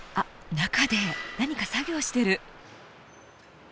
中で何か作業してる。